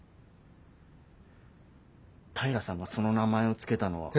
平さんがその名前を付けたのは。